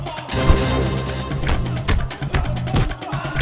itu namanya care